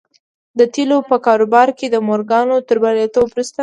د تيلو په کاروبار کې د مورګان تر برياليتوب وروسته.